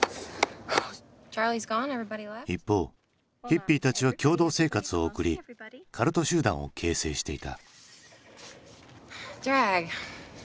一方ヒッピーたちは共同生活を送りカルト集団を形成していた。